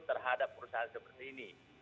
terhadap perusahaan seperti ini